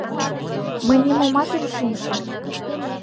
— Мый нимомат ом шинче...